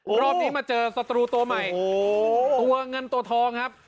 อู้วรอบนี้มาเจอสตรูตัวใหม่โอ้โหตัวเงินตัวทองครับ